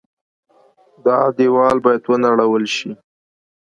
دا دېوال باید ونړول شي.